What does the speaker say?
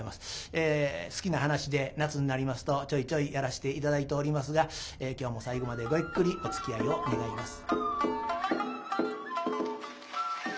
好きな噺で夏になりますとちょいちょいやらして頂いておりますが今日も最後までごゆっくりおつきあいを願います。